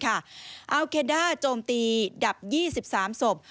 อัลเคด้าโจมตีดับ๒๓ศพ